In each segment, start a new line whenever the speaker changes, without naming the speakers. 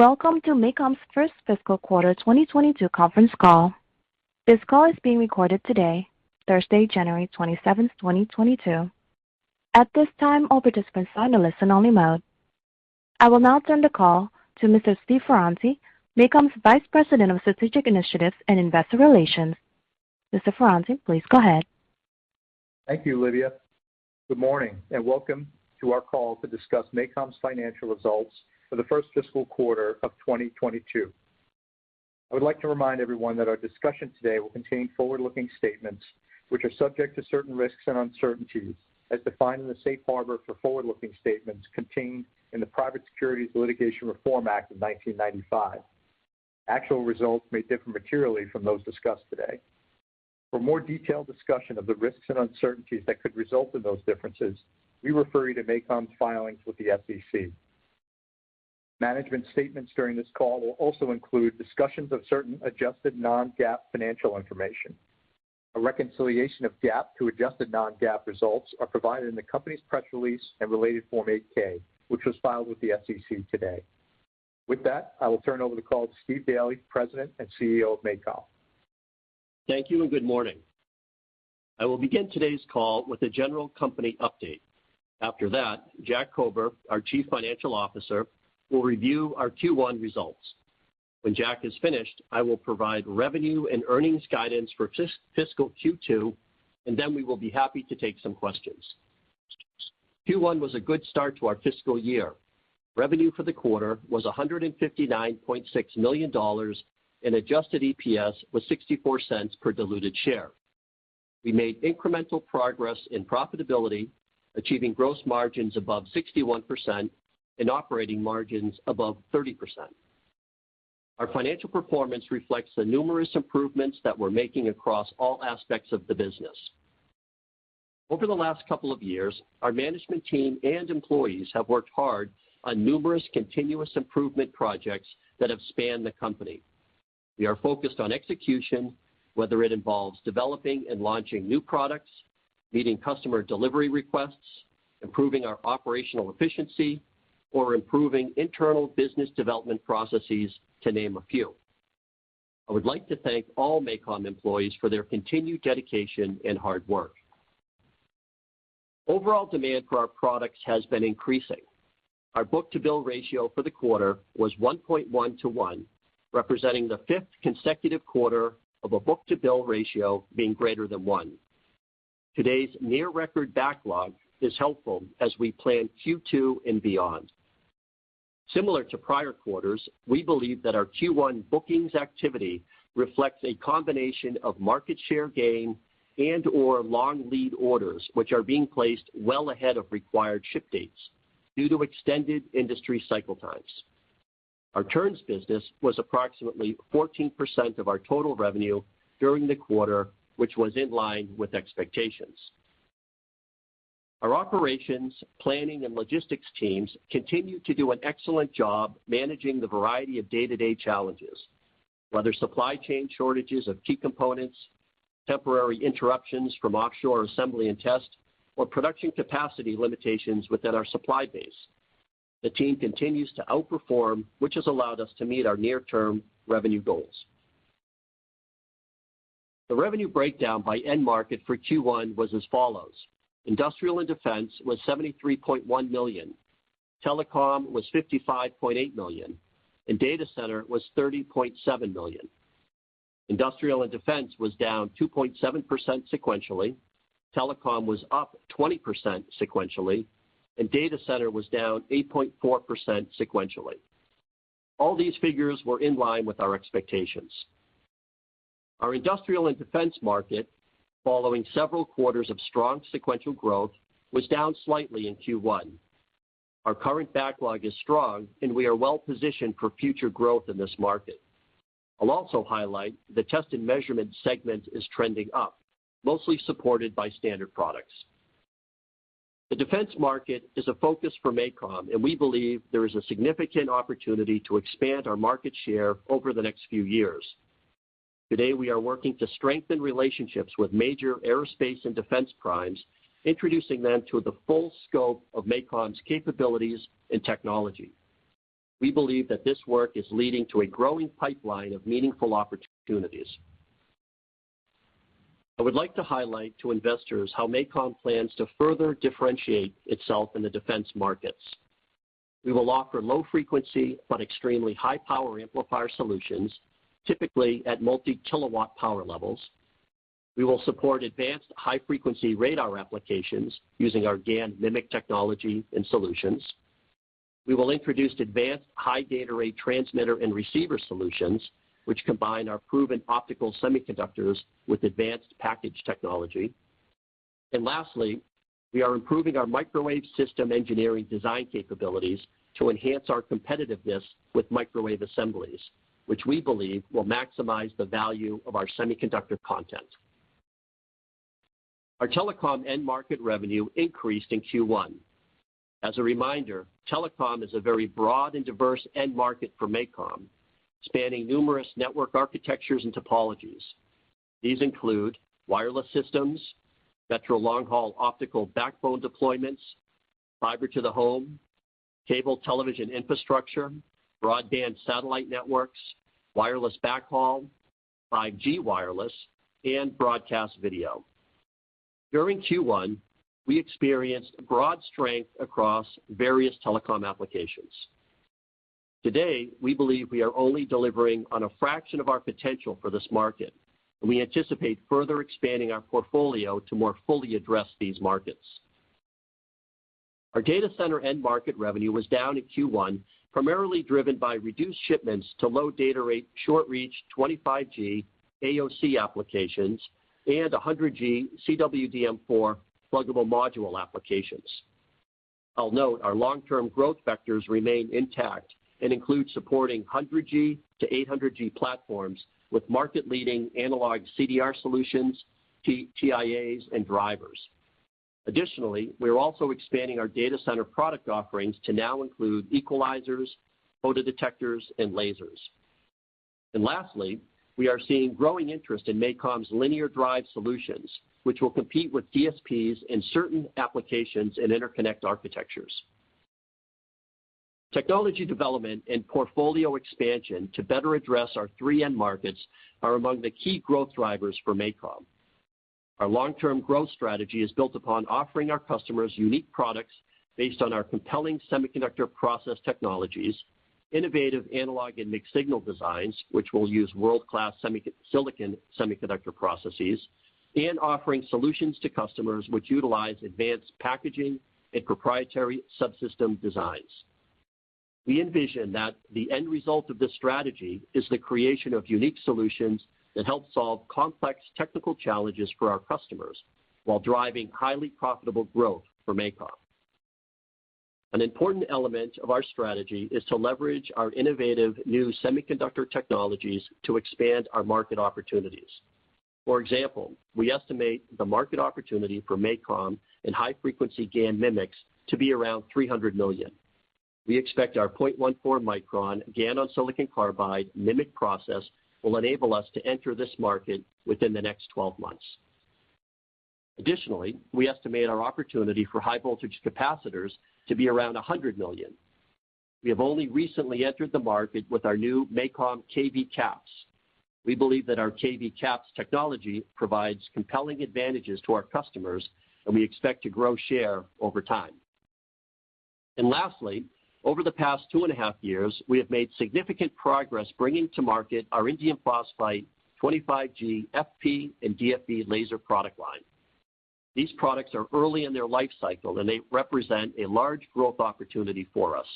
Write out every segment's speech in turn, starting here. Welcome to MACOM's first fiscal quarter 2022 conference call. This call is being recorded today, Thursday, January 27, 2022. At this time, all participants are on a listen-only mode. I will now turn the call to Mr. Stephen Ferranti, MACOM's Vice President of Strategic Initiatives and Investor Relations. Mr. Ferranti, please go ahead.
Thank you, Olivia. Good morning, and welcome to our call to discuss MACOM's financial results for the first fiscal quarter of 2022. I would like to remind everyone that our discussion today will contain forward-looking statements, which are subject to certain risks and uncertainties as defined in the safe harbor for forward-looking statements contained in the Private Securities Litigation Reform Act of 1995. Actual results may differ materially from those discussed today. For more detailed discussion of the risks and uncertainties that could result in those differences, we refer you to MACOM's filings with the SEC. Management statements during this call will also include discussions of certain adjusted non-GAAP financial information. A reconciliation of GAAP to adjusted non-GAAP results are provided in the company's press release and related Form 8-K, which was filed with the SEC today. With that, I will turn over the call to Stephen Daly, President and CEO of MACOM.
Thank you and good morning. I will begin today's call with a general company update. After that, Jack Kober, our Chief Financial Officer, will review our Q1 results. When Jack is finished, I will provide revenue and earnings guidance for fiscal Q2, and then we will be happy to take some questions. Q1 was a good start to our fiscal year. Revenue for the quarter was $159.6 million and adjusted EPS was $0.64 per diluted share. We made incremental progress in profitability, achieving gross margins above 61% and operating margins above 30%. Our financial performance reflects the numerous improvements that we're making across all aspects of the business. Over the last couple of years, our management team and employees have worked hard on numerous continuous improvement projects that have spanned the company. We are focused on execution, whether it involves developing and launching new products, meeting customer delivery requests, improving our operational efficiency, or improving internal business development processes, to name a few. I would like to thank all MACOM employees for their continued dedication and hard work. Overall demand for our products has been increasing. Our book-to-bill ratio for the quarter was 1.1 to 1, representing the fifth consecutive quarter of a book-to-bill ratio being greater than one. Today's near-record backlog is helpful as we plan Q2 and beyond. Similar to prior quarters, we believe that our Q1 bookings activity reflects a combination of market share gain and/or long lead orders which are being placed well ahead of required ship dates due to extended industry cycle times. Our turns business was approximately 14% of our total revenue during the quarter, which was in line with expectations. Our Operations, Planning, and Logistics teams continue to do an excellent job managing the variety of day-to-day challenges, whether supply chain shortages of key components, temporary interruptions from offshore assembly and test, or production capacity limitations within our supply base. The team continues to outperform, which has allowed us to meet our near-term revenue goals. The revenue breakdown by end market for Q1 was as follows: Industrial and defense was $73.1 million. Telecom was $55.8 million, and Data Center was $30.7 million. Industrial and defense was down 2.7% sequentially. Telecom was up 20% sequentially, and Data Center was down 8.4% sequentially. All these figures were in line with our expectations. Our Industrial and Defense market, following several quarters of strong sequential growth, was down slightly in Q1. Our current backlog is strong, and we are well-positioned for future growth in this market. I'll also highlight the test and measurement segment is trending up, mostly supported by standard products. The defense market is a focus for MACOM, and we believe there is a significant opportunity to expand our market share over the next few years. Today, we are working to strengthen relationships with major aerospace and defense primes, introducing them to the full scope of MACOM's capabilities and technology. We believe that this work is leading to a growing pipeline of meaningful opportunities. I would like to highlight to investors how MACOM plans to further differentiate itself in the defense markets. We will offer low frequency but extremely high power amplifier solutions, typically at multi-kilowatt power levels. We will support advanced high-frequency radar applications using our GaN MMIC technology and solutions. We will introduce advanced high data rate transmitter and receiver solutions, which combine our proven optical semiconductors with advanced package technology. Lastly, we are improving our microwave system engineering design capabilities to enhance our competitiveness with microwave assemblies, which we believe will maximize the value of our semiconductor content. Our Telecom end market revenue increased in Q1. As a reminder, Telecom is a very broad and diverse end market for MACOM, spanning numerous network architectures and topologies. These include wireless systems, metro long-haul optical backbone deployments, fiber to the home, cable television infrastructure, broadband satellite networks, wireless backhaul, 5G wireless, and broadcast video. During Q1, we experienced broad strength across various telecom applications. Today, we believe we are only delivering on a fraction of our potential for this market, and we anticipate further expanding our portfolio to more fully address these markets. Our Data Center end market revenue was down in Q1, primarily driven by reduced shipments to low data rate, short reach 25G AOC applications and 100G CWDM4 pluggable module applications. I'll note our long-term growth vectors remain intact and include supporting 100G to 800G platforms with market-leading analog CDR solutions, T-TIAs, and drivers. Additionally, we are also expanding our Data Center product offerings to now include equalizers, photodetectors, and lasers. And lastly, we are seeing growing interest in MACOM's linear drive solutions, which will compete with DSPs in certain applications and interconnect architectures. Technology development and portfolio expansion to better address our three end markets are among the key growth drivers for MACOM. Our long-term growth strategy is built upon offering our customers unique products based on our compelling semiconductor process technologies, innovative analog and mixed-signal designs, which will use world-class silicon semiconductor processes, and offering solutions to customers which utilize advanced packaging and proprietary subsystem designs. We envision that the end result of this strategy is the creation of unique solutions that help solve complex technical challenges for our customers while driving highly profitable growth for MACOM. An important element of our strategy is to leverage our innovative new semiconductor technologies to expand our market opportunities. For example, we estimate the market opportunity for MACOM in high-frequency GaN MMICs to be around $300 million. We expect our 0.14 micron GaN on silicon carbide MMIC process will enable us to enter this market within the next 12 months. Additionally, we estimate our opportunity for high voltage capacitors to be around $100 million. We have only recently entered the market with our new MACOM KV CAPS. We believe that our KV CAPS technology provides compelling advantages to our customers, and we expect to grow share over time. Lastly, over the past 2.5 years, we have made significant progress bringing to market our indium phosphide 25G FP and DFB laser product line. These products are early in their life cycle, and they represent a large growth opportunity for us.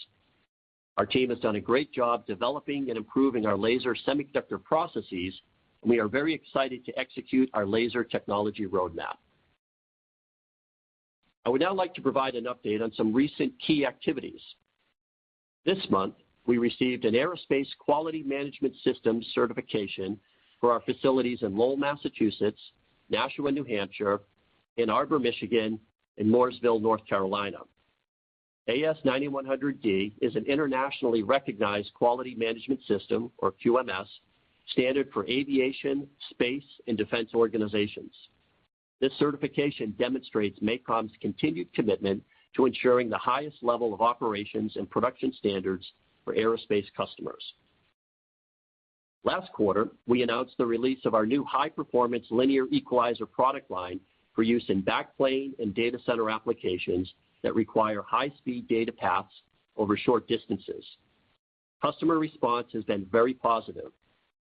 Our team has done a great job developing and improving our laser semiconductor processes, and we are very excited to execute our laser technology roadmap. I would now like to provide an update on some recent key activities. This month, we received an Aerospace Quality Management System certification for our facilities in Lowell, Massachusetts, Nashua, New Hampshire, Ann Arbor, Michigan, and Mooresville, North Carolina. AS9100D is an internationally recognized quality management system, or QMS, standard for aviation, space, and defense organizations. This certification demonstrates MACOM's continued commitment to ensuring the highest level of operations and production standards for aerospace customers. Last quarter, we announced the release of our new high-performance linear equalizer product line for use in backplane and Data Center applications that require high-speed data paths over short distances. Customer response has been very positive.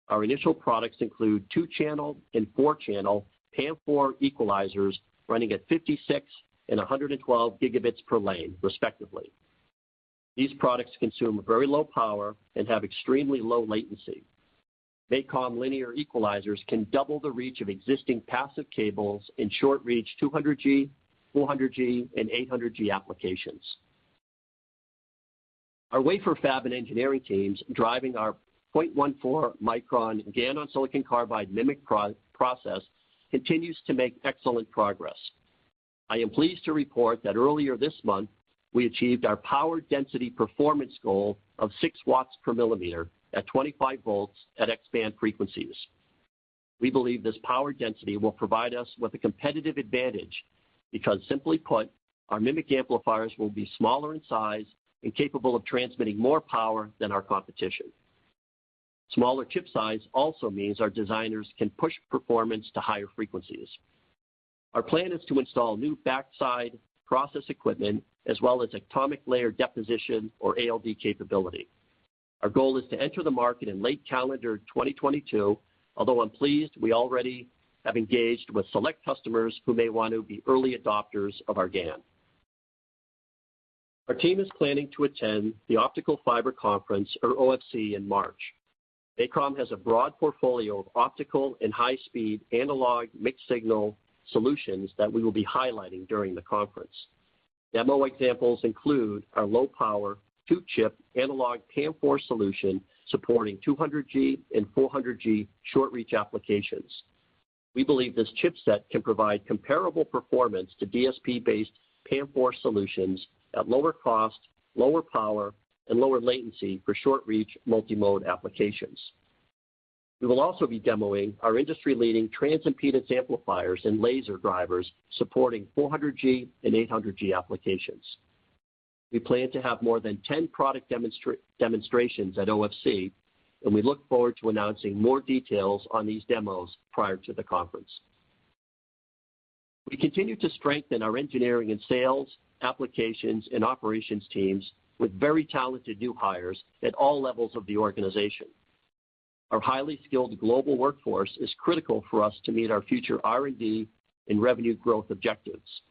Our initial products include two-channel and four-channel PAM4 equalizers running at 56 and 112 gigabits per lane, respectively. These products consume very low power and have extremely low latency. MACOM linear equalizers can double the reach of existing passive cables in short-reach 200G, 400G, and 800G applications. Our wafer fab and engineering teams driving our 0.14 micron GaN on silicon carbide MMIC process continues to make excellent progress. I am pleased to report that earlier this month, we achieved our power density performance goal of 6 W/mm at 25V at X-band frequencies. We believe this power density will provide us with a competitive advantage because simply put, our MMIC amplifiers will be smaller in size and capable of transmitting more power than our competition. Smaller chip size also means our designers can push performance to higher frequencies. Our plan is to install new backside process equipment as well as atomic layer deposition or ALD capability. Our goal is to enter the market in late calendar 2022, although I'm pleased we already have engaged with select customers who may want to be early adopters of our GaN. Our team is planning to attend the Optical Fiber Conference or OFC in March. MACOM has a broad portfolio of optical and high-speed analog mixed-signal solutions that we will be highlighting during the conference. Demo examples include our low-power two-chip analog PAM4 solution supporting 200G and 400G short reach applications. We believe this chipset can provide comparable performance to DSP-based PAM4 solutions at lower cost, lower power, and lower latency for short reach multi-mode applications. We will also be demoing our industry-leading transimpedance amplifiers and laser drivers supporting 400G and 800 G applications. We plan to have more than 10 product demonstrations at OFC, and we look forward to announcing more details on these demos prior to the conference. We continue to strengthen our engineering and sales, applications, and operations teams with very talented new hires at all levels of the organization. Our highly skilled global workforce is critical for us to meet our future R&D and revenue growth objectives.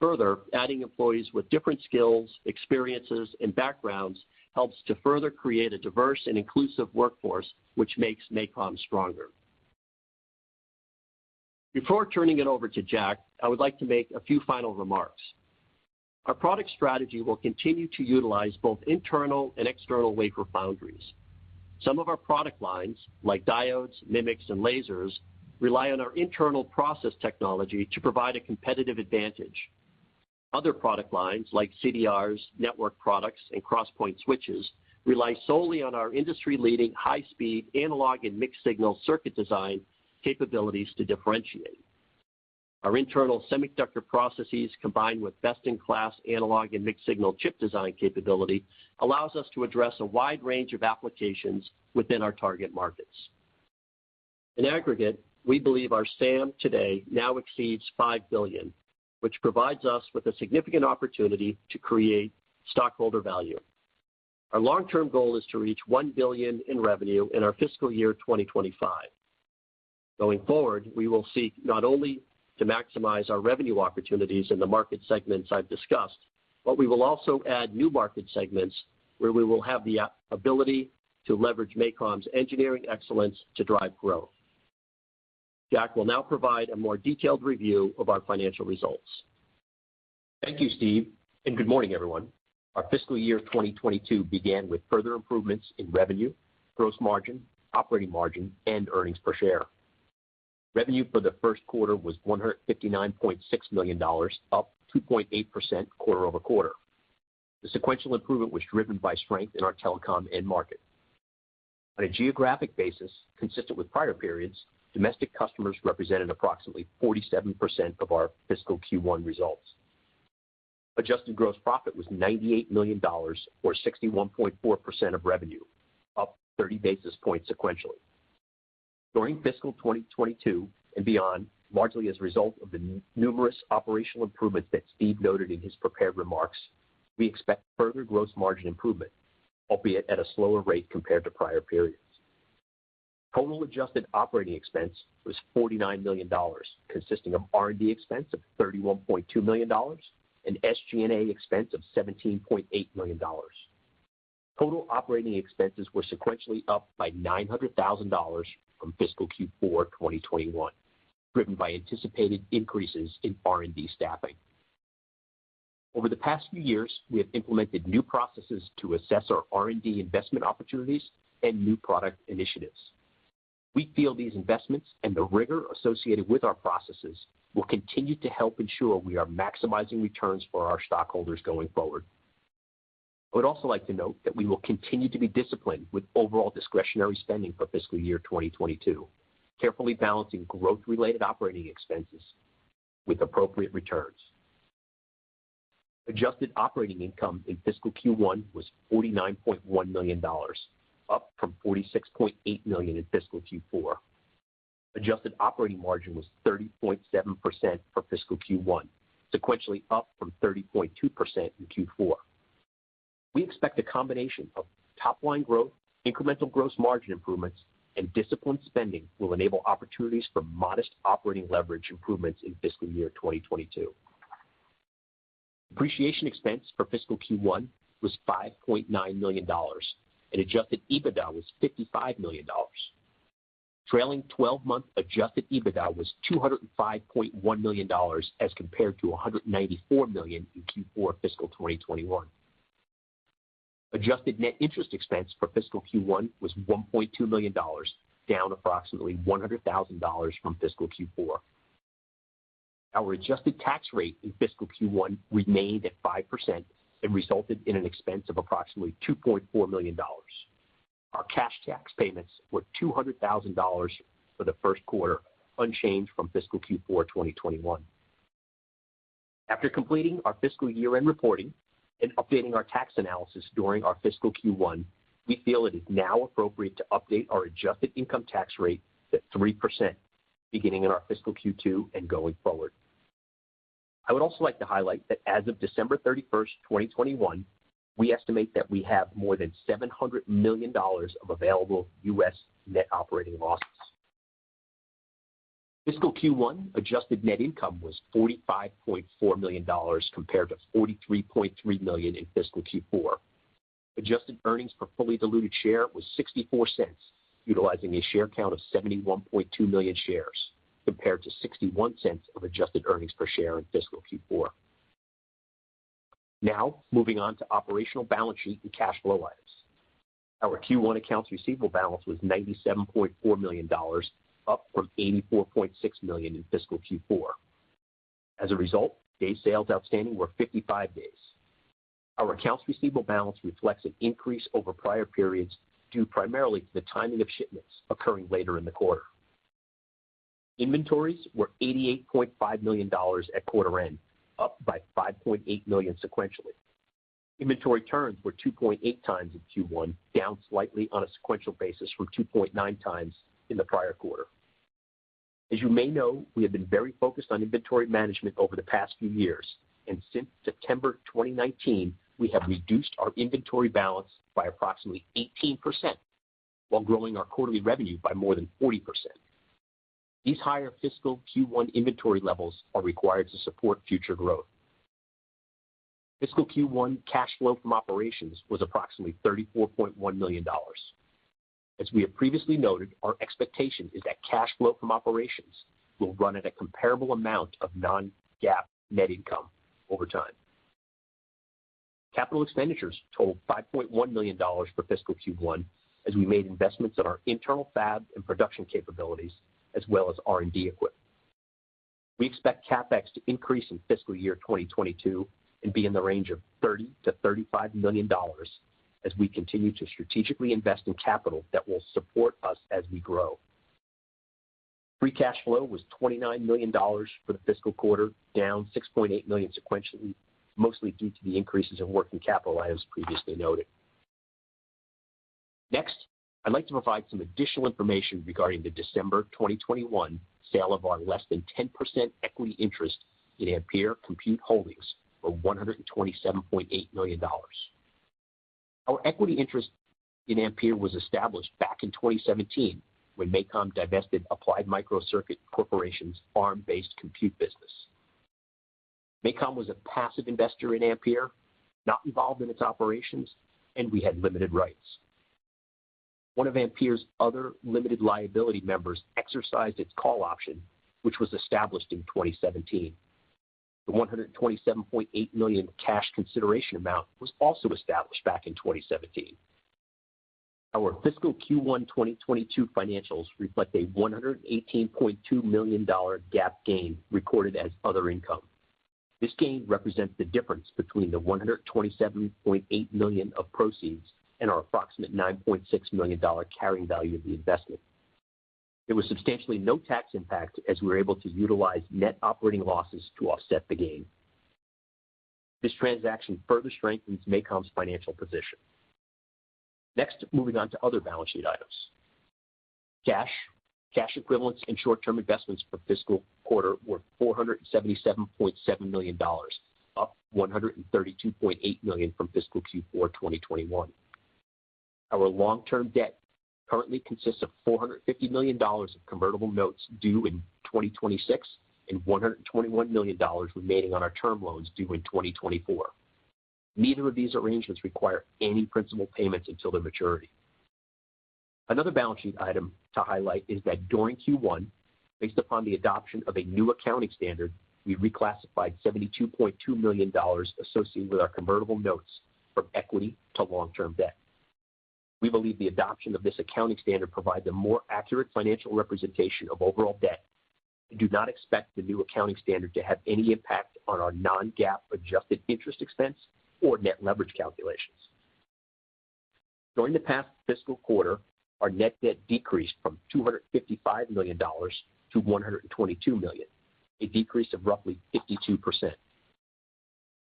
Further, adding employees with different skills, experiences, and backgrounds helps to further create a diverse and inclusive workforce, which makes MACOM stronger. Before turning it over to Jack, I would like to make a few final remarks. Our product strategy will continue to utilize both internal and external wafer foundries. Some of our product lines, like diodes, MMICs, and lasers, rely on our internal process technology to provide a competitive advantage. Other product lines, like CDRs, network products, and cross point switches, rely solely on our industry-leading high-speed analog and mixed signal circuit design capabilities to differentiate. Our internal semiconductor processes, combined with best-in-class analog and mixed signal chip design capability, allows us to address a wide range of applications within our target markets. In aggregate, we believe our SAM today now exceeds $5 billion, which provides us with a significant opportunity to create stockholder value. Our long-term goal is to reach $1 billion in revenue in our fiscal year 2025. Going forward, we will seek not only to maximize our revenue opportunities in the market segments I've discussed, but we will also add new market segments where we will have the ability to leverage MACOM's engineering excellence to drive growth. Jack will now provide a more detailed review of our financial results.
Thank you, Steve, and good morning, everyone. Our fiscal year 2022 began with further improvements in revenue, gross margin, operating margin, and earnings per share. Revenue for the first quarter was $159.6 million, up 2.8% quarter-over-quarter. The sequential improvement was driven by strength in our Telecom end market. On a geographic basis, consistent with prior periods, domestic customers represented approximately 47% of our fiscal Q1 results. Adjusted gross profit was $98 million, or 61.4% of revenue, up 30 basis points sequentially. During fiscal 2022 and beyond, largely as a result of the numerous operational improvements that Steve noted in his prepared remarks, we expect further gross margin improvement, albeit at a slower rate compared to prior periods. Total adjusted operating expense was $49 million, consisting of R&D expense of $31.2 million and SG&A expense of $17.8 million. Total operating expenses were sequentially up by $900,000 from fiscal Q4 2021, driven by anticipated increases in R&D staffing. Over the past few years, we have implemented new processes to assess our R&D investment opportunities and new product initiatives. We feel these investments and the rigor associated with our processes will continue to help ensure we are maximizing returns for our stockholders going forward. I would also like to note that we will continue to be disciplined with overall discretionary spending for fiscal year 2022, carefully balancing growth-related operating expenses with appropriate returns. Adjusted operating income in fiscal Q1 was $49.1 million, up from $46.8 million in fiscal Q4. Adjusted operating margin was 30.7% for fiscal Q1, sequentially up from 30.2% in Q4. We expect a combination of top-line growth, incremental gross margin improvements, and disciplined spending will enable opportunities for modest operating leverage improvements in fiscal year 2022. Depreciation expense for fiscal Q1 was $5.9 million, and adjusted EBITDA was $55 million. Trailing twelve-month adjusted EBITDA was $205.1 million as compared to $194 million in Q4 fiscal 2021. Adjusted net interest expense for fiscal Q1 was $1.2 million, down approximately $100,000 from fiscal Q4. Our adjusted tax rate in fiscal Q1 remained at 5% and resulted in an expense of approximately $2.4 million. Our cash tax payments were $200,000 for the first quarter, unchanged from fiscal Q4 2021. After completing our fiscal year-end reporting and updating our tax analysis during our fiscal Q1, we feel it is now appropriate to update our adjusted income tax rate to 3%, beginning in our fiscal Q2 and going forward. I would also like to highlight that as of December 31, 2021, we estimate that we have more than $700 million of available U.S. net operating losses. Fiscal Q1 adjusted net income was $45.4 million compared to $43.3 million in fiscal Q4. Adjusted earnings per fully diluted share was $0.64, utilizing a share count of 71.2 million shares compared to $0.61 of adjusted earnings per share in fiscal Q4. Now, moving on to operational balance sheet and cash flow items. Our Q1 accounts receivable balance was $97.4 million, up from $84.6 million in fiscal Q4. As a result, days sales outstanding were 55 days. Our accounts receivable balance reflects an increase over prior periods due primarily to the timing of shipments occurring later in the quarter. Inventories were $88.5 million at quarter end, up by $5.8 million sequentially. Inventory turns were 2.8x in Q1, down slightly on a sequential basis from 2.9x in the prior quarter. As you may know, we have been very focused on inventory management over the past few years, and since September 2019, we have reduced our inventory balance by approximately 18% while growing our quarterly revenue by more than 40%. These higher fiscal Q1 inventory levels are required to support future growth. Fiscal Q1 cash flow from operations was approximately $34.1 million. As we have previously noted, our expectation is that cash flow from operations will run at a comparable amount of non-GAAP net income over time. Capital expenditures totaled $5.1 million for fiscal Q1 as we made investments in our internal fab and production capabilities as well as R&D equipment. We expect CapEx to increase in fiscal year 2022 and be in the range of $30 million-$35 million as we continue to strategically invest in capital that will support us as we grow. Free cash flow was $29 million for the fiscal quarter, down $6.8 million sequentially, mostly due to the increases in working capital, as previously noted. Next, I'd like to provide some additional information regarding the December 2021 sale of our less than 10% equity interest in Ampere Computing Holdings LLC for $127.8 million. Our equity interest in Ampere was established back in 2017 when MACOM divested Applied Micro Circuits Corporation's ARM-based compute business. MACOM was a passive investor in Ampere, not involved in its operations, and we had limited rights. One of Ampere's other limited liability members exercised its call option, which was established in 2017. The $127.8 million cash consideration amount was also established back in 2017. Our fiscal Q1 2022 financials reflect a $118.2 million GAAP gain recorded as other income. This gain represents the difference between the $127.8 million of proceeds and our approximate $9.6 million carrying value of the investment. There was substantially no tax impact as we were able to utilize net operating losses to offset the gain. This transaction further strengthens MACOM's financial position. Next, moving on to other balance sheet items. Cash, cash equivalents, and short-term investments for the fiscal quarter were $477.7 million, up $132.8 million from fiscal Q4 2021. Our long-term debt currently consists of $450 million of convertible notes due in 2026 and $121 million remaining on our term loans due in 2024. Neither of these arrangements require any principal payments until their maturity. Another balance sheet item to highlight is that during Q1, based upon the adoption of a new accounting standard, we reclassified $72.2 million associated with our convertible notes from equity to long-term debt. We believe the adoption of this accounting standard provides a more accurate financial representation of overall debt and do not expect the new accounting standard to have any impact on our non-GAAP adjusted interest expense or net leverage calculations. During the past fiscal quarter, our net debt decreased from $255 million to $122 million, a decrease of roughly 52%.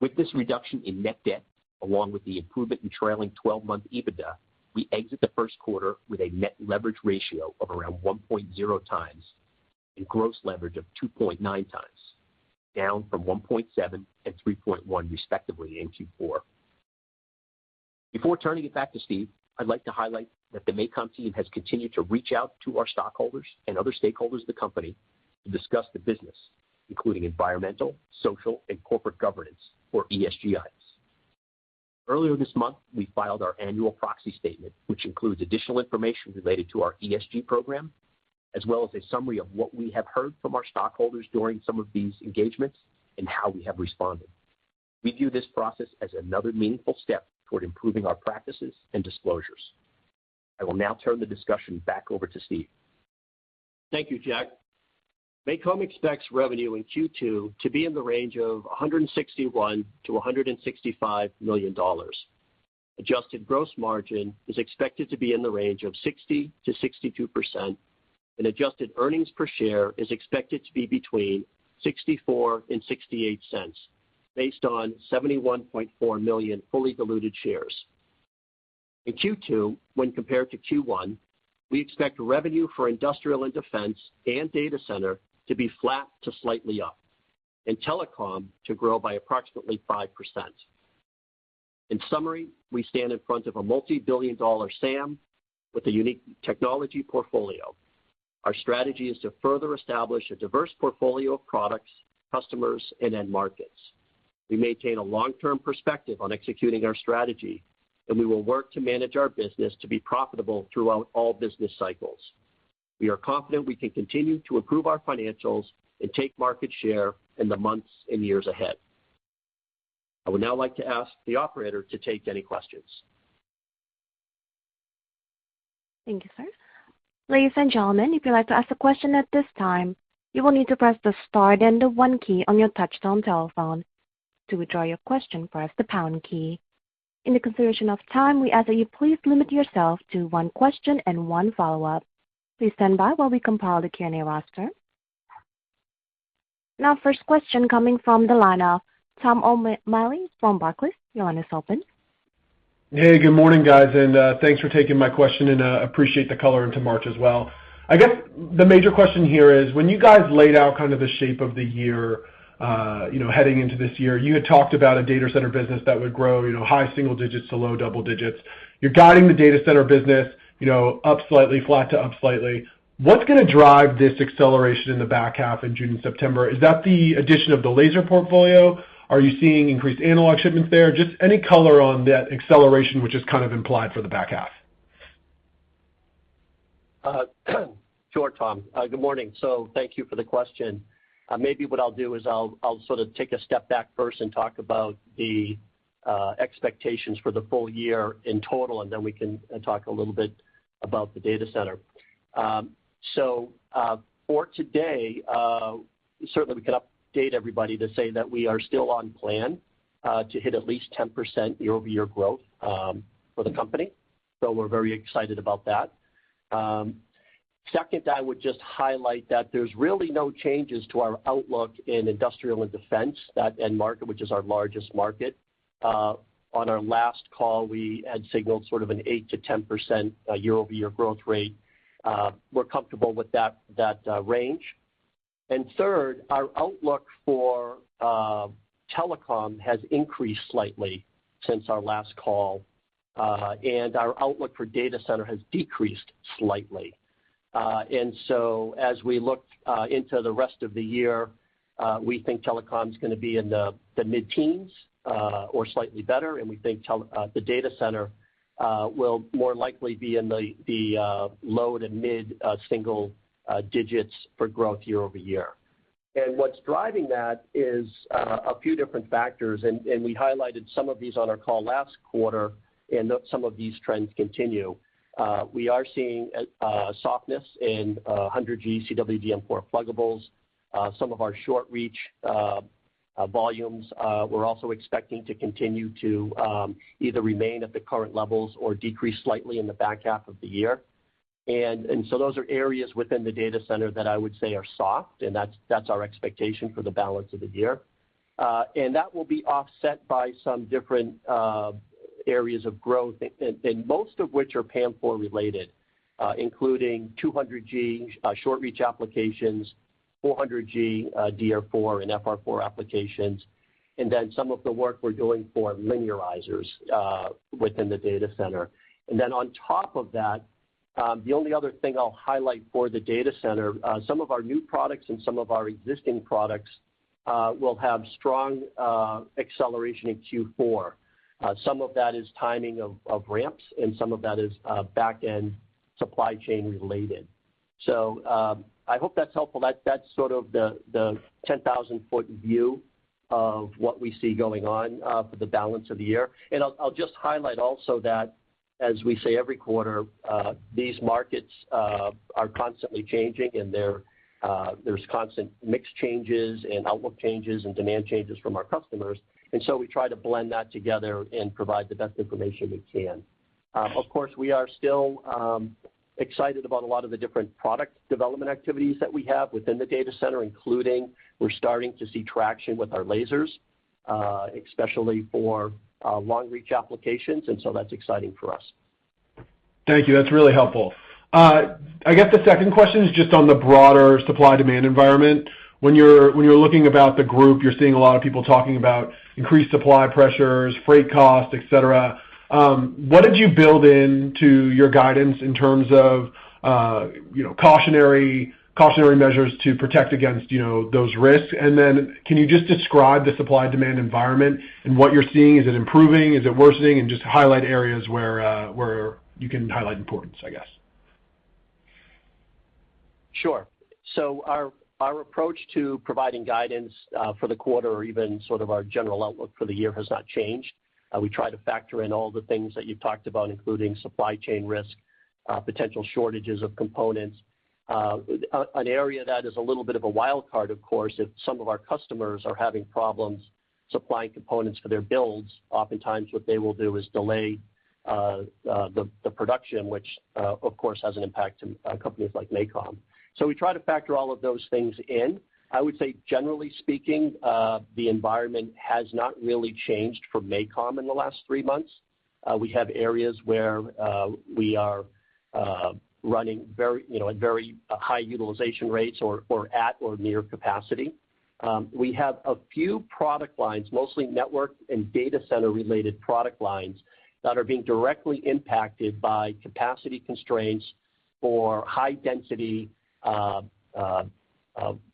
With this reduction in net debt, along with the improvement in trailing twelve-month EBITDA, we exit the first quarter with a net leverage ratio of around 1.0 times and gross leverage of 2.9 times, down from 1.7 and 3.1 respectively in Q4. Before turning it back to Steve, I'd like to highlight that the MACOM team has continued to reach out to our stockholders and other stakeholders of the company to discuss the business, including environmental, social, and corporate governance or ESG items. Earlier this month, we filed our annual proxy statement, which includes additional information related to our ESG program, as well as a summary of what we have heard from our stockholders during some of these engagements and how we have responded. We view this process as another meaningful step toward improving our practices and disclosures. I will now turn the discussion back over to Steve.
Thank you, Jack. MACOM expects revenue in Q2 to be in the range of $161 million-$165 million. Adjusted gross margin is expected to be in the range of 60%-62%, and adjusted earnings per share is expected to be between $0.64-$0.68 based on 71.4 million fully diluted shares. In Q2, when compared to Q1, we expect revenue for industrial and defense and Data Center to be flat to slightly up, and Telecom to grow by approximately 5%. In summary, we stand in front of a multi-billion-dollar SAM with a unique technology portfolio. Our strategy is to further establish a diverse portfolio of products, customers, and end markets. We maintain a long-term perspective on executing our strategy, and we will work to manage our business to be profitable throughout all business cycles. We are confident we can continue to improve our financials and take market share in the months and years ahead. I would now like to ask the operator to take any questions.
Thank you, sir. Ladies and gentlemen, if you'd like to ask a question at this time, you will need to press the star then the one key on your touchtone telephone. To withdraw your question, press the pound key. In the consideration of time, we ask that you please limit yourself to one question and one follow-up. Please stand by while we compile the Q&A roster. Now first question coming from the line of Tom O'Malley from Barclays. Your line is open.
Hey, good morning, guys, and thanks for taking my question and appreciate the color into March as well. I guess the major question here is when you guys laid out kind of the shape of the year, you know, heading into this year, you had talked about a Data Center business that would grow, you know, high single digits to low double digits. You're guiding the Data Center business, you know, up slightly, flat to up slightly. What's gonna drive this acceleration in the back half in June and September? Is that the addition of the laser portfolio? Are you seeing increased analog shipments there? Just any color on that acceleration, which is kind of implied for the back half.
Sure, Tom. Good morning. Thank you for the question. Maybe what I'll do is I'll sort of take a step back first and talk about the expectations for the full year in total, and then we can talk a little bit about the Data Center. For today, certainly we can update everybody to say that we are still on plan to hit at least 10% year-over-year growth for the company. We're very excited about that. Second, I would just highlight that there's really no changes to our outlook in Industrial and Defense, that end market, which is our largest market. On our last call, we had signaled sort of an 8%-10% year-over-year growth rate. We're comfortable with that range. Third, our outlook for Telecom has increased slightly since our last call, and our outlook for Data Center has decreased slightly. As we look into the rest of the year, we think Telecom's gonna be in the mid-teens% or slightly better, and we think the Data Center will more likely be in the low- to mid-single digits% for growth year-over-year. What's driving that is a few different factors, and we highlighted some of these on our call last quarter, and though some of these trends continue. We are seeing a softness in 100G CWDM4 pluggables. Some of our short reach volumes, we're also expecting to continue to either remain at the current levels or decrease slightly in the back half of the year. So those are areas within the Data Center that I would say are soft, and that's our expectation for the balance of the year. That will be offset by some different areas of growth, and most of which are PAM4 related, including 200G short reach applications, 400G DR4 and FR4 applications, and then some of the work we're doing for linearizers within the Data Center. Then on top of that, the only other thing I'll highlight for the Data Center, some of our new products and some of our existing products will have strong acceleration in Q4. Some of that is timing of ramps, and some of that is back-end supply chain related. I hope that's helpful. That's sort of the 10,000-foot view of what we see going on for the balance of the year. I'll just highlight also that as we say every quarter, these markets are constantly changing, and there's constant mix changes and outlook changes and demand changes from our customers. So we try to blend that together and provide the best information we can. Of course, we are still excited about a lot of the different product development activities that we have within the Data Center, including we're starting to see traction with our lasers, especially for long reach applications, and so that's exciting for us.
Thank you. That's really helpful. I guess the second question is just on the broader supply-demand environment. When you're looking about the group, you're seeing a lot of people talking about increased supply pressures, freight costs, et cetera. What did you build into your guidance in terms of, you know, cautionary measures to protect against, you know, those risks? And then can you just describe the supply-demand environment and what you're seeing? Is it improving? Is it worsening? And just highlight areas where you can highlight importance, I guess.
Sure. Our approach to providing guidance for the quarter or even sort of our general outlook for the year has not changed. We try to factor in all the things that you talked about, including supply chain risk, potential shortages of components. An area that is a little bit of a wild card, of course, if some of our customers are having problems supplying components for their builds, oftentimes what they will do is delay the production, which, of course, has an impact in companies like MACOM. We try to factor all of those things in. I would say generally speaking, the environment has not really changed for MACOM in the last three months. We have areas where we are running very, you know, at very high utilization rates or at or near capacity. We have a few product lines, mostly network and Data Center related product lines, that are being directly impacted by capacity constraints for high density,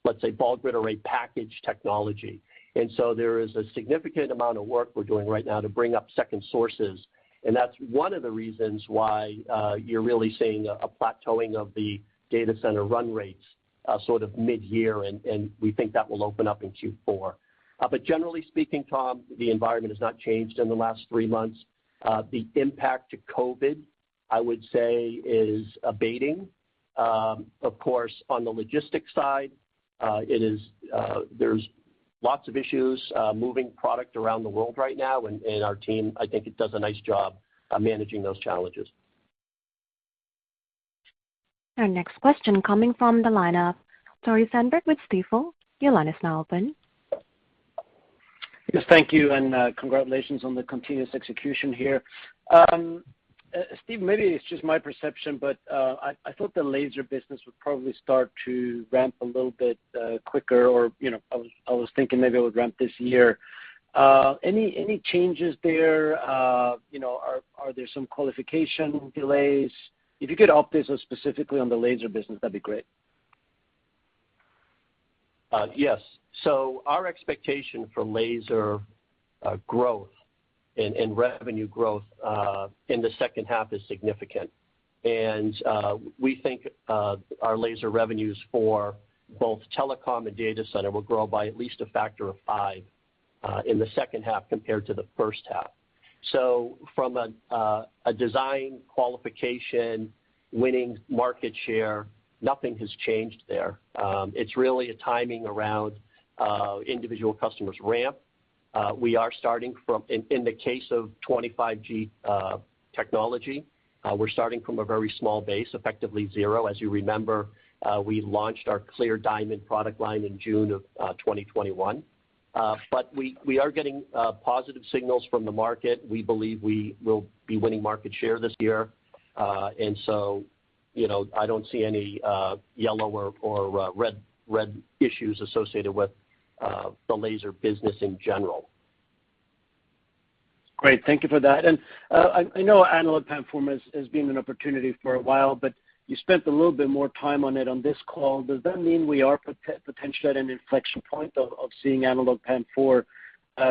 let's say, ball grid array package technology. There is a significant amount of work we're doing right now to bring up second sources. That's one of the reasons why you're really seeing a plateauing of the Data Center run rates sort of mid-year, and we think that will open up in Q4. Generally speaking, Tom, the environment has not changed in the last three months. The impact of COVID, I would say, is abating. Of course, on the logistics side, it is, there's lots of issues moving product around the world right now, and our team, I think, does a nice job at managing those challenges.
Our next question coming from the line of Tore Svanberg with Stifel. Your line is now open.
Yes, thank you, and congratulations on the continuous execution here. Steve, maybe it's just my perception, but I thought the laser business would probably start to ramp a little bit quicker or, you know, I was thinking maybe it would ramp this year. Any changes there? You know, are there some qualification delays? If you could update us specifically on the laser business, that'd be great.
Yes. Our expectation for laser growth and revenue growth in the second half is significant. We think our laser revenues for both Telecom and Data Center will grow by at least a factor of 5 in the second half compared to the first half. From a design qualification, winning market share, nothing has changed there. It's really a timing around individual customers' ramp. In the case of 25G technology, we're starting from a very small base, effectively zero. As you remember, we launched our Clear Diamond product line in June of 2021. But we are getting positive signals from the market. We believe we will be winning market share this year. You know, I don't see any yellow or red issues associated with the laser business in general.
Great. Thank you for that. I know analog PAM4 has been an opportunity for a while, but you spent a little bit more time on it on this call. Does that mean we are potentially at an inflection point of seeing analog PAM4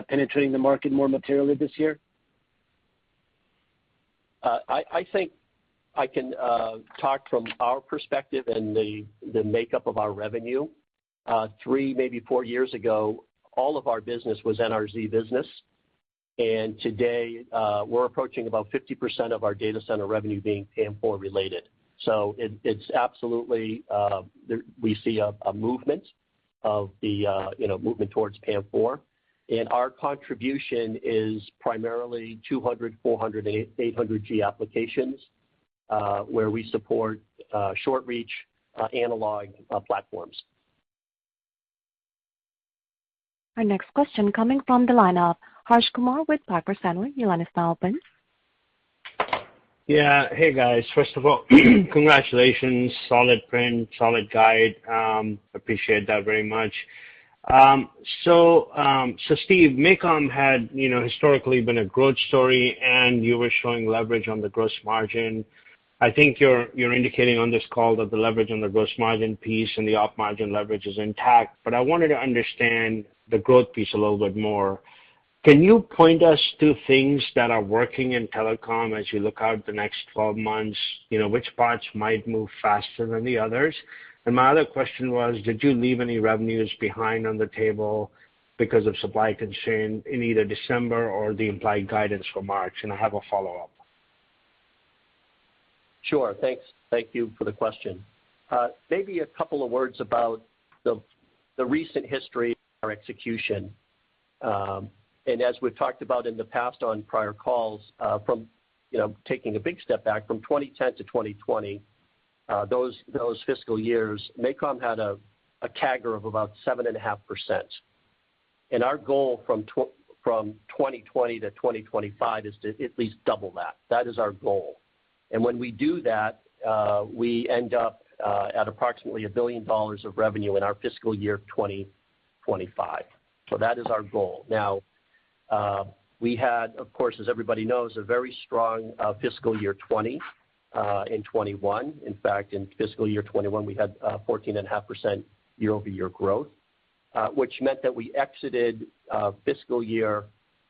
penetrating the market more materially this year?
I think I can talk from our perspective and the makeup of our revenue. Three, maybe four years ago, all of our business was NRZ business. Today, we're approaching about 50% of our Data Center revenue being PAM4 related. It's absolutely there. We see a movement towards PAM4, you know. Our contribution is primarily 200, 400, 800G applications, where we support short reach analog platforms.
Our next question coming from the line of Harsh Kumar with Piper Sandler. Your line is now open.
Yeah. Hey, guys. First of all, congratulations. Solid print, solid guide. Appreciate that very much. Steve, MACOM had, you know, historically been a growth story, and you were showing leverage on the gross margin. I think you're indicating on this call that the leverage on the gross margin piece and the op margin leverage is intact, but I wanted to understand the growth piece a little bit more. Can you point us to things that are working in Telecom as you look out the next 12 months? You know, which parts might move faster than the others? My other question was, did you leave any revenues behind on the table because of supply constraint in either December or the implied guidance for March? I have a follow-up.
Sure. Thanks. Thank you for the question. Maybe a couple of words about the recent history of our execution. As we've talked about in the past on prior calls, from, you know, taking a big step back from 2010 to 2020, those fiscal years, MACOM had a CAGR of about 7.5%. Our goal from 2020 to 2025 is to at least double that. That is our goal. When we do that, we end up at approximately $1 billion of revenue in our fiscal year 2025. That is our goal. Now, we had, of course, as everybody knows, a very strong fiscal year 2020 and 2021. In fact, in fiscal year 2021, we had 14.5% year-over-year growth, which meant that we exited fiscal year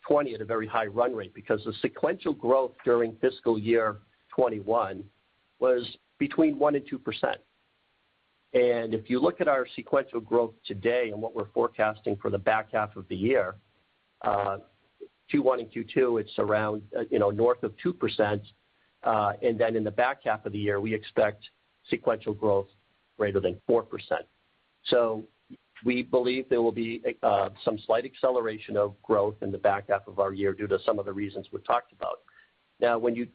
2020 at a very high run rate because the sequential growth during fiscal year 2021 was between 1% and 2%. If you look at our sequential growth today and what we're forecasting for the back half of the year, Q1 and Q2, it's around, you know, north of 2%. And then in the back half of the year, we expect sequential growth greater than 4%. We believe there will be some slight acceleration of growth in the back half of our year due to some of the reasons we've talked about. Now, when you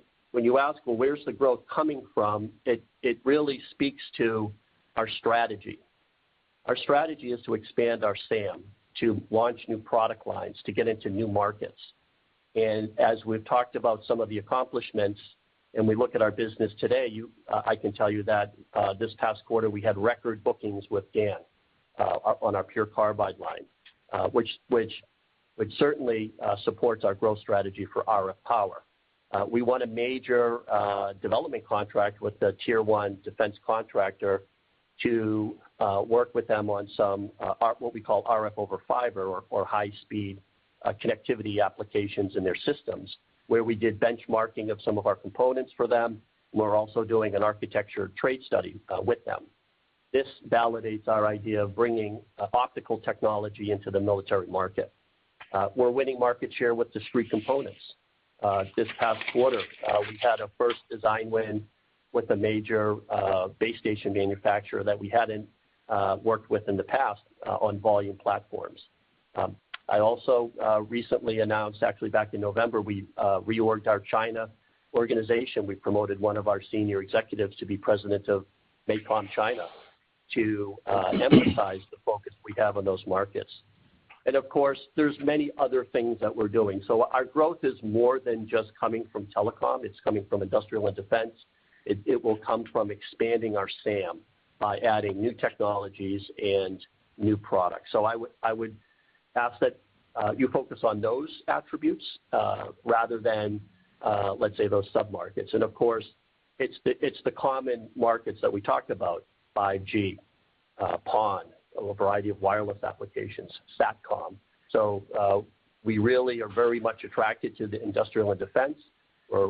ask, "Well, where's the growth coming from?" It really speaks to our strategy. Our strategy is to expand our SAM, to launch new product lines, to get into new markets. As we've talked about some of the accomplishments, and we look at our business today, I can tell you that this past quarter, we had record bookings with GaN on our Pure Carbide line, which certainly supports our growth strategy for RF power. We won a major development contract with a tier one defense contractor to work with them on some what we call RF over fiber or high speed connectivity applications in their systems, where we did benchmarking of some of our components for them. We're also doing an architecture trade study with them. This validates our idea of bringing optical technology into the military market. We're winning market share with discrete components. This past quarter, we had a first design win with a major base station manufacturer that we hadn't worked with in the past on volume platforms. I also recently announced, actually back in November, we reorged our China organization. We promoted one of our Senior Executives to be President of MACOM China to emphasize the focus we have on those markets. Of course, there's many other things that we're doing. Our growth is more than just coming from Telecom, it's coming from industrial and defense. It will come from expanding our SAM by adding new technologies and new products. I would ask that you focus on those attributes rather than, let's say, those sub-markets. Of course, it's the common markets that we talked about, 5G, PON, a variety of wireless applications, SatCom. We really are very much attracted to the industrial and defense. We're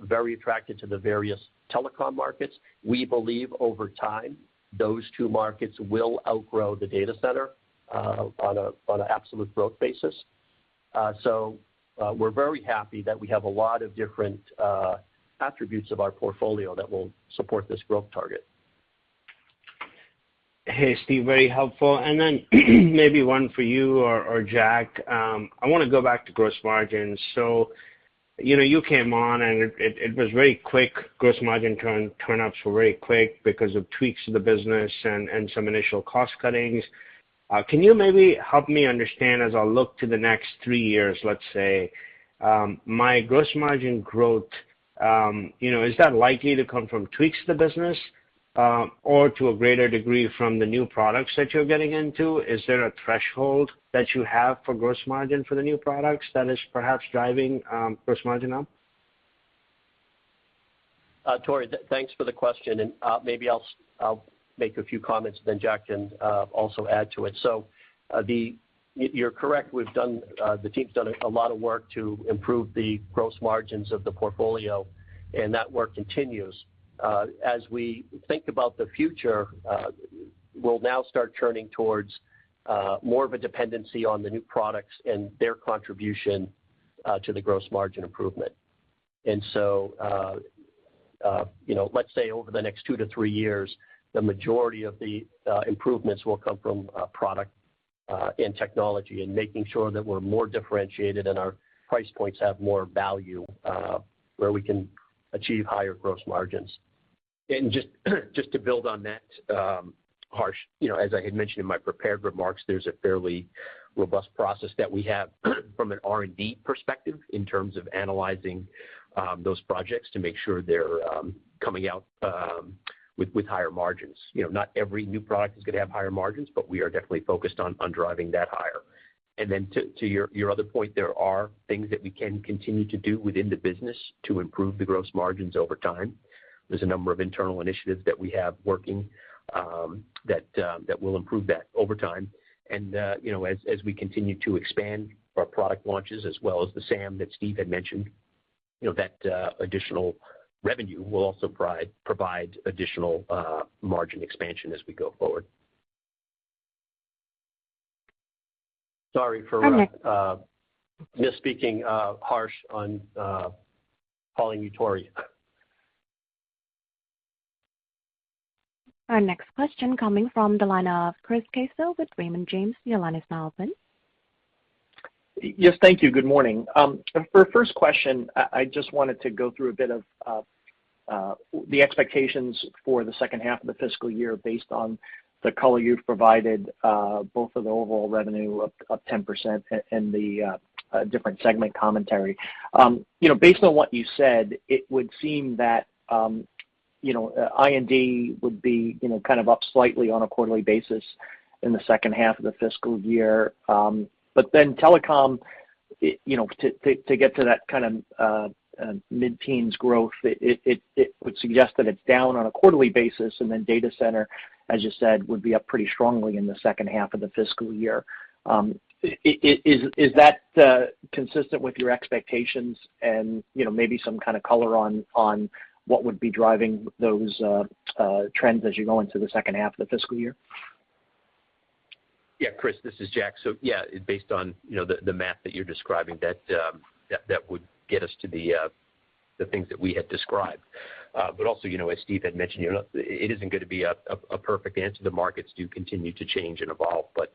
very attracted to the various Telecom markets. We believe over time, those two markets will outgrow the Data Center on a absolute growth basis. We're very happy that we have a lot of different attributes of our portfolio that will support this growth target.
Hey, Steve, very helpful. Maybe one for you or Jack. I wanna go back to gross margins. You know, you came on and it was very quick. Gross margin turn ups were very quick because of tweaks to the business and some initial cost cuttings. Can you maybe help me understand as I look to the next three years, let's say, my gross margin growth. You know, is that likely to come from tweaks to the business or to a greater degree from the new products that you're getting into? Is there a threshold that you have for gross margin for the new products that is perhaps driving gross margin up?
Harsh, thanks for the question, and maybe I'll make a few comments, then Jack can also add to it. You're correct, we've done, the team's done a lot of work to improve the gross margins of the portfolio, and that work continues. As we think about the future, we'll now start turning towards more of a dependency on the new products and their contribution to the gross margin improvement. You know, let's say over the next two to three years, the majority of the improvements will come from product and technology, and making sure that we're more differentiated and our price points have more value where we can achieve higher gross margins.
Just to build on that, Harsh, you know, as I had mentioned in my prepared remarks, there's a fairly robust process that we have from an R&D perspective in terms of analyzing those projects to make sure they're coming out with higher margins. You know, not every new product is gonna have higher margins, but we are definitely focused on driving that higher. Then to your other point, there are things that we can continue to do within the business to improve the gross margins over time. There's a number of internal initiatives that we have working that will improve that over time. As we continue to expand our product launches as well as the SAM that Steve had mentioned, you know, that additional revenue will also provide additional margin expansion as we go forward. Sorry for misspeaking, Harsh, on calling you Tori.
Our next question coming from the line of Chris Caso with Raymond James. Your line is now open.
Yes, thank you. Good morning. For first question, I just wanted to go through a bit of the expectations for the second half of the fiscal year based on the color you've provided, both of the overall revenue up 10% and the different segment commentary. You know, based on what you said, it would seem that, you know, I&D would be, you know, kind of up slightly on a quarterly basis in the second half of the fiscal year. But then Telecom, you know, to get to that kind of mid-teens growth, it would suggest that it's down on a quarterly basis, and then Data Center, as you said, would be up pretty strongly in the second half of the fiscal year. Is that consistent with your expectations and, you know, maybe some kind of color on what would be driving those trends as you go into the second half of the fiscal year?
Yeah, Chris, this is Jack. Yeah, based on, you know, the math that you're describing, that would get us to the things that we had described. But also, you know, as Steve had mentioned, you know, it isn't gonna be a perfect answer. The markets do continue to change and evolve, but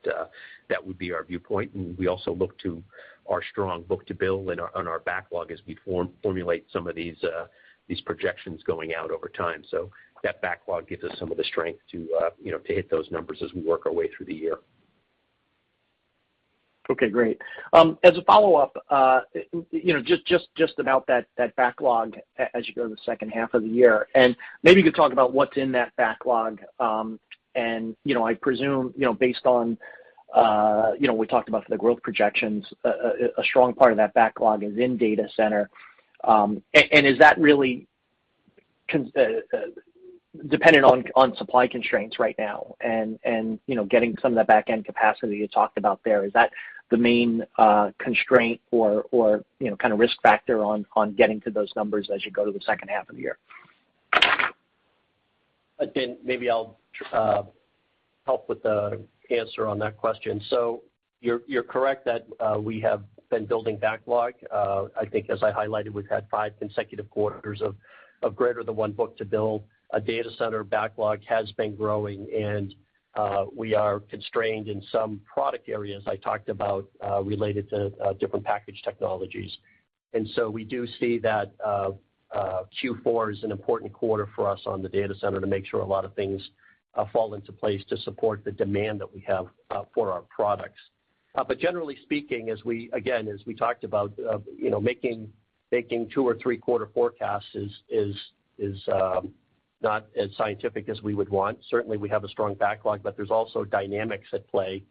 that would be our viewpoint. We also look to our strong book-to-bill and backlog as we formulate some of these projections going out over time. That backlog gives us some of the strength to, you know, hit those numbers as we work our way through the year.
Okay, great. As a follow-up, you know, just about that backlog as you go to the second half of the year, and maybe you could talk about what's in that backlog. You know, I presume, you know, based on you know, we talked about for the growth projections, a strong part of that backlog is in Data Center. Is that really dependent on supply constraints right now and you know, getting some of that back end capacity you talked about there, is that the main constraint or you know, kind of risk factor on getting to those numbers as you go to the second half of the year?
Again, maybe I'll help with the answer on that question. You're correct that we have been building backlog. I think as I highlighted, we've had five consecutive quarters of greater than one book-to-bill. Our Data Center backlog has been growing, and we are constrained in some product areas I talked about related to different package technologies. We do see that Q4 is an important quarter for us on the Data Center to make sure a lot of things fall into place to support the demand that we have for our products. Generally speaking, again, as we talked about, you know, making two or three quarter forecasts is not as scientific as we would want. Certainly, we have a strong backlog, but there's also dynamics at play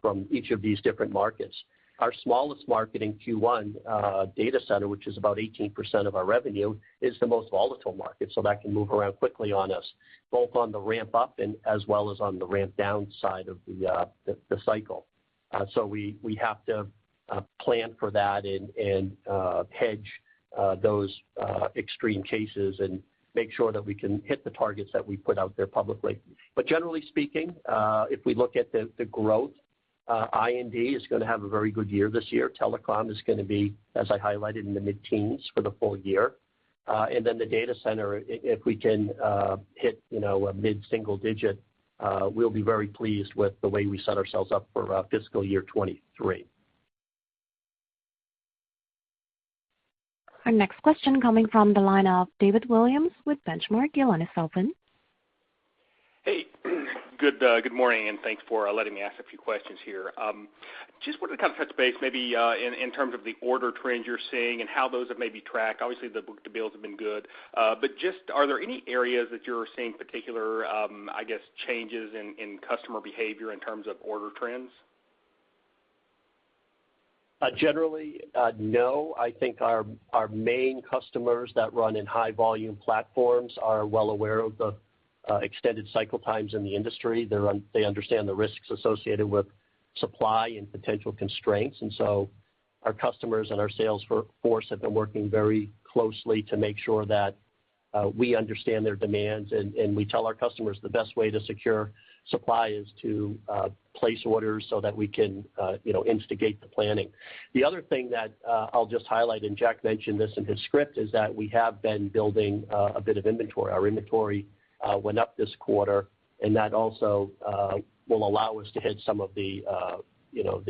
from each of these different markets. Our smallest market in Q1, Data Center, which is about 18% of our revenue, is the most volatile market, so that can move around quickly on us, both on the ramp up and as well as on the ramp down side of the cycle. We have to plan for that and hedge those extreme cases and make sure that we can hit the targets that we put out there publicly. Generally speaking, if we look at the growth, I&D is gonna have a very good year this year. Telecom is gonna be, as I highlighted, in the mid-teens% for the full year. The Data Center, if we can hit, you know, a mid-single digit, we'll be very pleased with the way we set ourselves up for fiscal year 2023.
Our next question coming from the line of David Williams with Benchmark. Your line is open.
Hey. Good morning, and thanks for letting me ask a few questions here. Just wanted to kind of touch base maybe, in terms of the order trends you're seeing and how those have maybe tracked. Obviously, the book-to-bills have been good. Just are there any areas that you're seeing particular, I guess, changes in customer behavior in terms of order trends?
Generally, no. I think our main customers that run in high volume platforms are well aware of the extended cycle times in the industry. They understand the risks associated with supply and potential constraints. Our customers and our sales force have been working very closely to make sure that we understand their demands, and we tell our customers the best way to secure supply is to place orders so that we can, you know, instigate the planning. The other thing that I'll just highlight, and Jack mentioned this in his script, is that we have been building a bit of inventory. Our inventory went up this quarter, and that also will allow us to hit some of the, you know,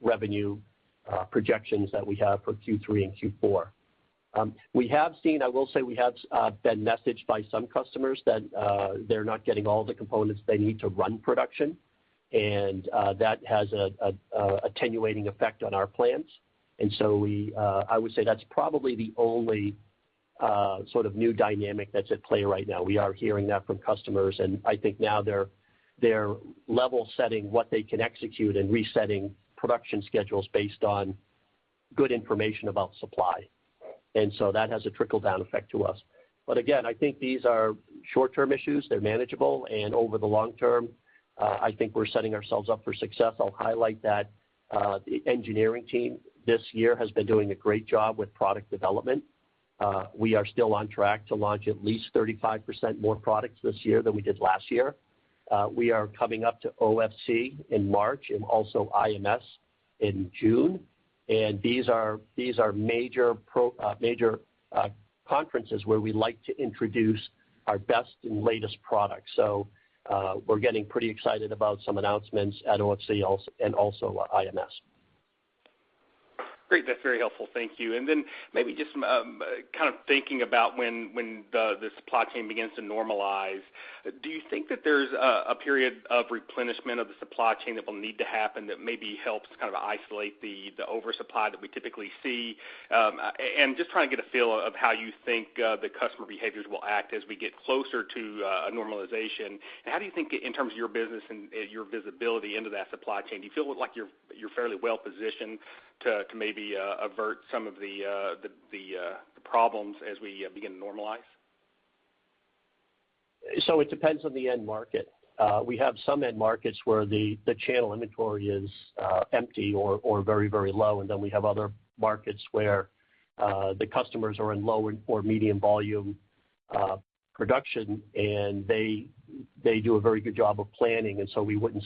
revenue projections that we have for Q3 and Q4. We have seen, I will say, we have been messaged by some customers that they're not getting all the components they need to run production, and that has an attenuating effect on our plans. I would say that's probably the only sort of new dynamic that's at play right now. We are hearing that from customers, and I think now they're level setting what they can execute and resetting production schedules based on good information about supply. That has a trickle-down effect to us. Again, I think these are short-term issues. They're manageable, and over the long term, I think we're setting ourselves up for success. I'll highlight that the engineering team this year has been doing a great job with product development. We are still on track to launch at least 35% more products this year than we did last year. We are coming up to OFC in March and also IMS in June. These are major conferences where we like to introduce our best and latest products. We're getting pretty excited about some announcements at OFC and also IMS.
Great. That's very helpful. Thank you. Then maybe just kind of thinking about when the supply chain begins to normalize, do you think that there's a period of replenishment of the supply chain that will need to happen that maybe helps kind of isolate the oversupply that we typically see? Just trying to get a feel of how you think the customer behaviors will act as we get closer to a normalization. How do you think in terms of your business and your visibility into that supply chain, do you feel like you're fairly well positioned to maybe avert some of the problems as we begin to normalize?
It depends on the end market. We have some end markets where the channel inventory is empty or very low, and then we have other markets where the customers are in low or medium volume production, and they do a very good job of planning, and so we wouldn't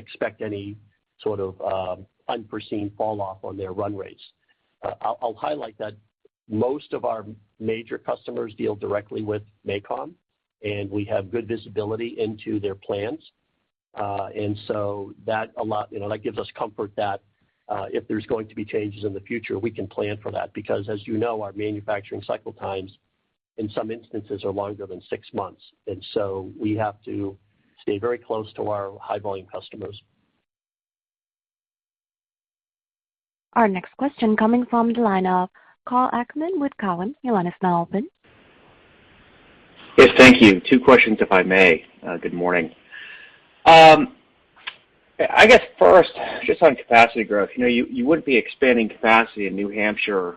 expect any sort of unforeseen fall off on their run rates. I'll highlight that most of our major customers deal directly with MACOM, and we have good visibility into their plans, and so, you know, that gives us comfort that if there's going to be changes in the future, we can plan for that because as you know, our manufacturing cycle times, in some instances, are longer than six months. We have to stay very close to our high volume customers.
Our next question coming from the line of Karl Ackerman with Cowen. Your line is now open.
Yes, thank you. Two questions, if I may. Good morning. I guess first, just on capacity growth, you know, you wouldn't be expanding capacity in New Hampshire,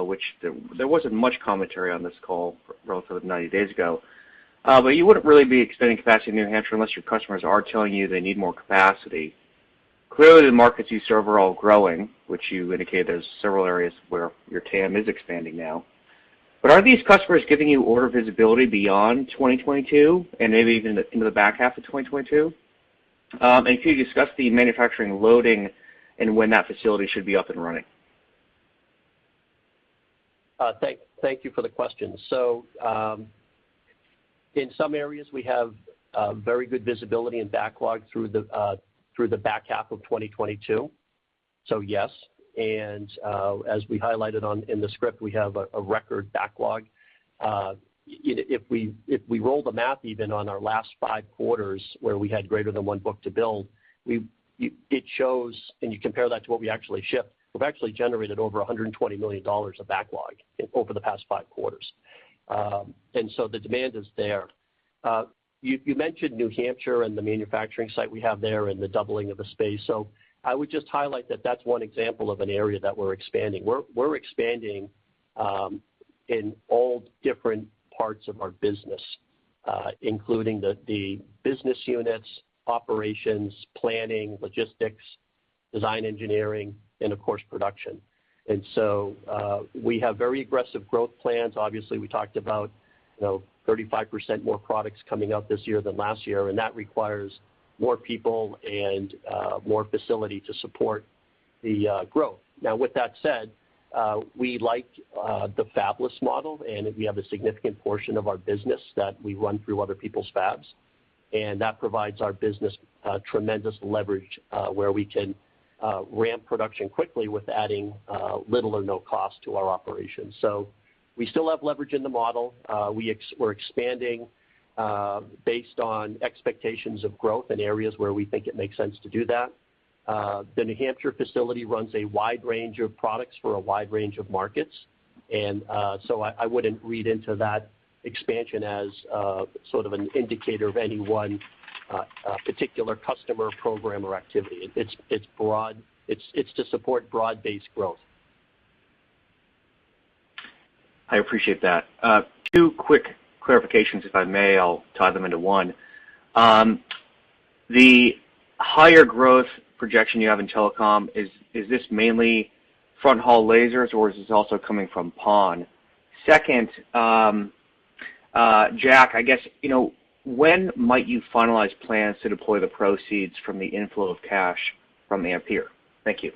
which there wasn't much commentary on this call relative to 90 days ago. You wouldn't really be expanding capacity in New Hampshire unless your customers are telling you they need more capacity. Clearly the markets you serve are all growing, which you indicate there's several areas where your TAM is expanding now. Are these customers giving you order visibility beyond 2022 and maybe even into the back half of 2022? And can you discuss the manufacturing loading and when that facility should be up and running?
Thank you for the question. In some areas, we have very good visibility and backlog through the back half of 2022. Yes. As we highlighted in the script, we have a record backlog. If we roll the math even on our last five quarters where we had greater than one book-to-bill, it shows, and you compare that to what we actually ship, we've actually generated over $120 million of backlog over the past five quarters. The demand is there. You mentioned New Hampshire and the manufacturing site we have there and the doubling of the space. I would just highlight that that's one example of an area that we're expanding. We're expanding in all different parts of our business, including the business units, operations, planning, logistics, design engineering, and of course production. We have very aggressive growth plans. Obviously, we talked about, you know, 35% more products coming out this year than last year, and that requires more people and more facility to support the growth. Now with that said, we like the fabless model, and we have a significant portion of our business that we run through other people's fabs. That provides our business tremendous leverage where we can ramp production quickly with adding little or no cost to our operations. We still have leverage in the model. We're expanding based on expectations of growth in areas where we think it makes sense to do that. The New Hampshire facility runs a wide range of products for a wide range of markets. I wouldn't read into that expansion as sort of an indicator of any one particular customer program or activity. It's broad. It's to support broad-based growth.
I appreciate that. Two quick clarifications, if I may. I'll tie them into one. The higher growth projection you have in Telecom is this mainly fronthaul lasers, or is this also coming from PON? Second, Jack, I guess, you know, when might you finalize plans to deploy the proceeds from the inflow of cash from Ampere? Thank you.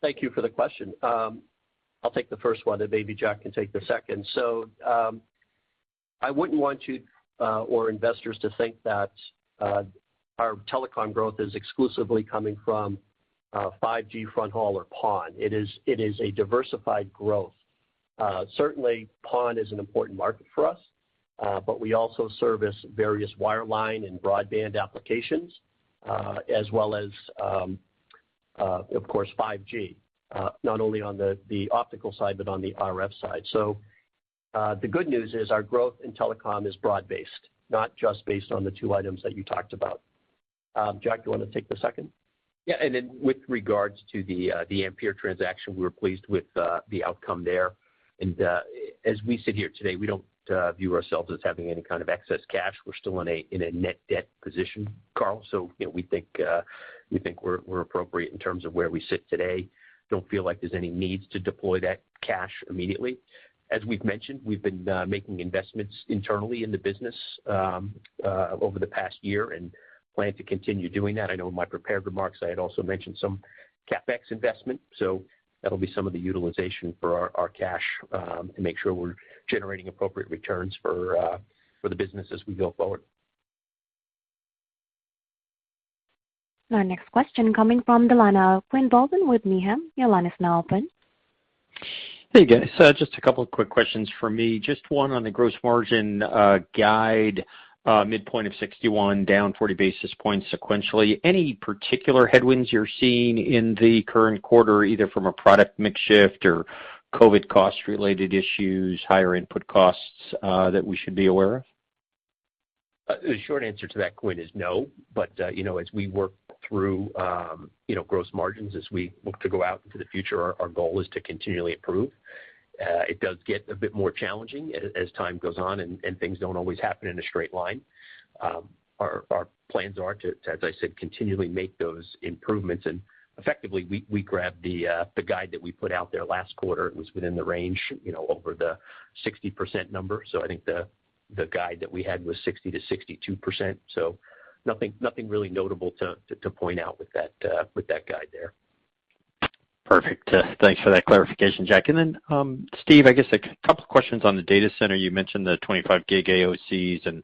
Thank you for the question. I'll take the first one, and maybe Jack can take the second. I wouldn't want you or investors to think that our Telecom growth is exclusively coming from 5G front-haul or PON. It is a diversified growth. Certainly PON is an important market for us, but we also service various wireline and broadband applications as well as of course 5G, not only on the optical side, but on the RF side. The good news is our growth in Telecom is broad-based, not just based on the two items that you talked about. Jack, do you wanna take the second?
With regards to the Ampere transaction, we're pleased with the outcome there. As we sit here today, we don't view ourselves as having any kind of excess cash. We're still in a net debt position, Karl. We think we're appropriate in terms of where we sit today. Don't feel like there's any needs to deploy that cash immediately. As we've mentioned, we've been making investments internally in the business over the past year and plan to continue doing that. I know in my prepared remarks I had also mentioned some CapEx investment, that'll be some of the utilization for our cash to make sure we're generating appropriate returns for the business as we go forward.
Our next question coming from the line of Quinn Bolton with Needham. Your line is now open.
Hey, guys. Just a couple of quick questions for me. Just one on the gross margin guide, midpoint of 61 down 40 basis points sequentially. Any particular headwinds you're seeing in the current quarter, either from a product mix shift or COVID cost related issues, higher input costs, that we should be aware of?
The short answer to that, Quinn, is no. You know, as we work through, you know, gross margins as we look to go out into the future, our goal is to continually improve. It does get a bit more challenging as time goes on and things don't always happen in a straight line. Our plans are to, as I said, continually make those improvements. Effectively, we grabbed the guide that we put out there last quarter. It was within the range, you know, over the 60% number. I think the guide that we had was 60%-62%. Nothing really notable to point out with that guide there.
Perfect. Thanks for that clarification, Jack. Steve, I guess a couple of questions on the Data Center. You mentioned the 25G AOCs and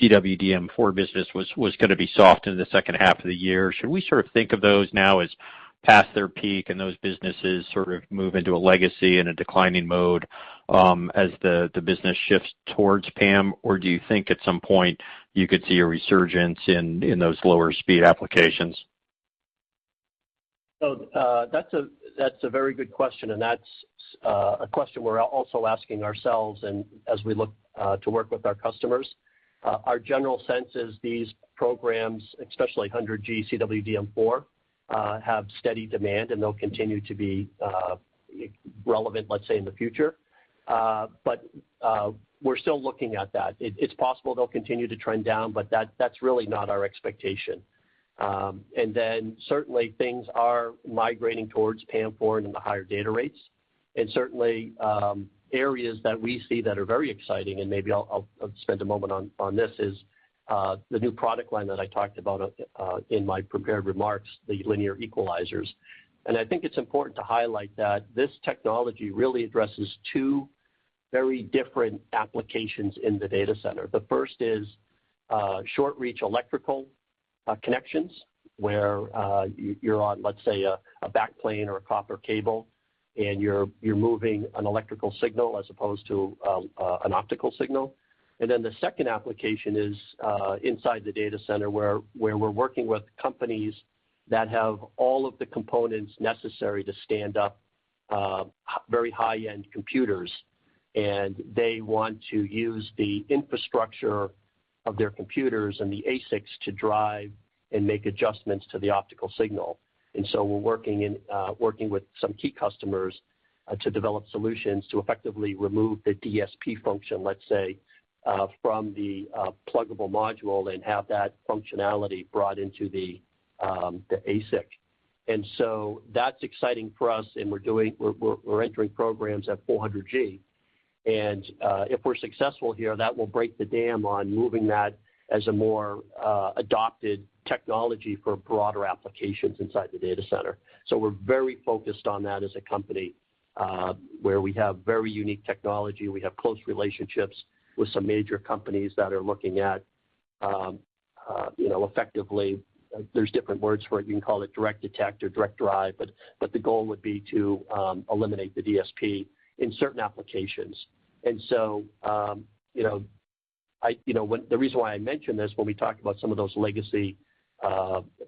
CWDM4 business was gonna be soft in the second half of the year. Should we sort of think of those now as past their peak and those businesses sort of move into a legacy and a declining mode, as the business shifts towards PAM4? Or do you think at some point you could see a resurgence in those lower speed applications?
That's a very good question, and that's a question we're also asking ourselves and as we look to work with our customers. Our general sense is these programs, especially 100G CWDM4, have steady demand, and they'll continue to be relevant, let's say, in the future. We're still looking at that. It's possible they'll continue to trend down, but that's really not our expectation. Certainly things are migrating towards PAM4 and the higher data rates. Certainly areas that we see that are very exciting, and maybe I'll spend a moment on this, the new product line that I talked about in my prepared remarks, the linear equalizers. I think it's important to highlight that this technology really addresses two very different applications in the Data Center. The first is short-reach electrical connections, where you're on, let's say a backplane or a copper cable, and you're moving an electrical signal as opposed to an optical signal. The second application is inside the Data Center where we're working with companies that have all of the components necessary to stand up very high-end computers, and they want to use the infrastructure of their computers and the ASICs to drive and make adjustments to the optical signal. We're working with some key customers to develop solutions to effectively remove the DSP function, let's say, from the pluggable module and have that functionality brought into the ASIC. That's exciting for us, and we're entering programs at 400G. If we're successful here, that will break the dam on moving that as a more adopted technology for broader applications inside the Data Center. We're very focused on that as a company, where we have very unique technology. We have close relationships with some major companies that are looking at, you know, effectively, there's different words for it. You can call it direct detect or direct drive, but the goal would be to eliminate the DSP in certain applications. You know, the reason why I mention this when we talk about some of those legacy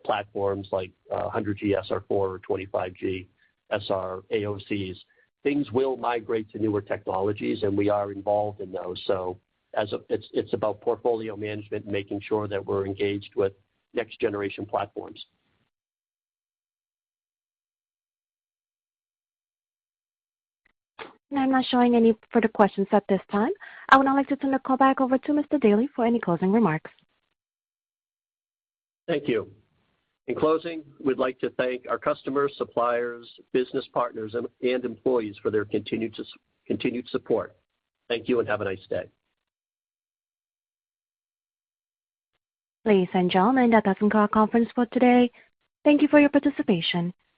platforms like 100G SR4 or 25G SR AOCs, things will migrate to newer technologies, and we are involved in those. It's about portfolio management, making sure that we're engaged with next-generation platforms.
I'm not showing any further questions at this time. I would now like to turn the call back over to Mr. Daly for any closing remarks.
Thank you. In closing, we'd like to thank our customers, suppliers, business partners, and employees for their continued support. Thank you, and have a nice day.
Ladies and gentlemen, that does end our conference for today. Thank you for your participation.